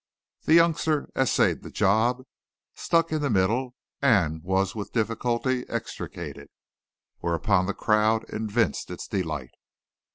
The youngster essayed the job, stuck in the middle, and was with difficulty extricated. Whereupon the crowd evinced its delight.